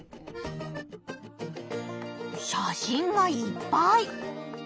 写真がいっぱい！